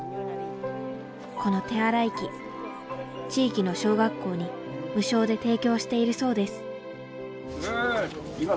この手洗い器地域の小学校に無償で提供しているそうです。